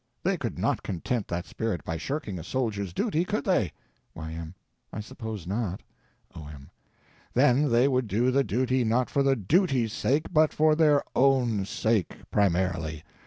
They could not content that spirit by shirking a soldier's duty, could they? Y.M. I suppose not. O.M. Then they would do the duty not for the duty's sake, but for their _own _sake—primarily.